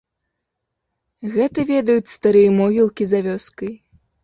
Гэта ведаюць старыя могілкі за вёскай.